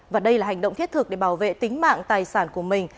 và đây là hành động thiết thực để bảo vệ tính mạng tài sản của mình